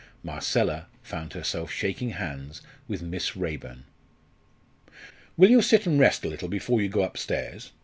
Marcella found herself shaking hands with Miss Raeburn. "Will you sit and rest a little before you go upstairs?"